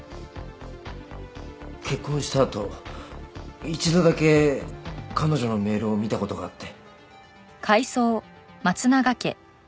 結婚したあと一度だけ彼女のメールを見た事があって。